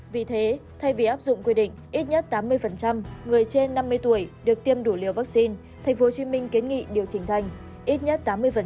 vì thế thay vì áp dụng quy định ít nhất tám mươi người trên năm mươi tuổi được tiêm đủ liều vaccine tp hcm kiến nghị điều chỉnh thành ít nhất tám mươi